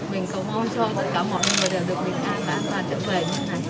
mình cầu mong cho tất cả mọi người được đi khai và trở về như thế này